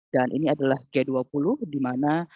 dan ini adalah g dua puluh di mana